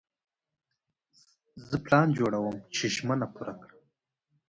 زه پلان جوړوم چې ژمنه پوره کړم.